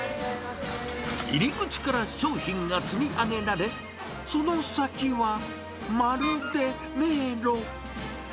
入り口から商品が積み上げられ、その先は、まるで迷路。